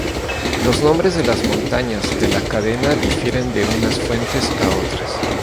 Los nombres de las montañas de la cadena difieren de unas fuentes a otras.